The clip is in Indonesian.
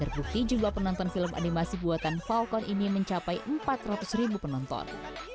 berbukti juga penonton film animasi buatan falcon ini mencapai empat ratus penonton